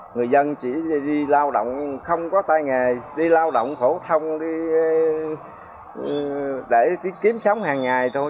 người dân chỉ đi lao động không có tay nghề đi lao động phổ thông để kiếm sống hàng ngày thôi